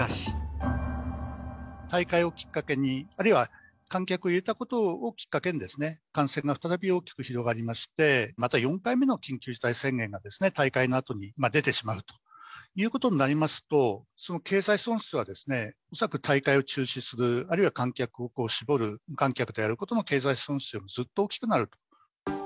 大会をきっかけに、あるいは観客を入れたことをきっかけに感染が再び大きく広がりまして、また４回目の緊急事態宣言が大会のあとに出てしまうということになりますと、その経済損失は恐らく大会を中止する、あるいは観客を絞る、無観客でやることの経済損失よりもずっと大きくなる。